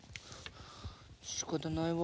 しかたないわ。